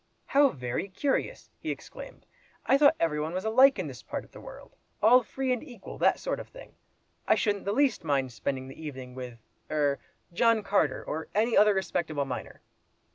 "How very curious!" he exclaimed. "I thought every one was alike in this part of the world; all free and equal, that sort of thing. I shouldn't the least mind spending the evening with er—John Carter—or any other respectable miner."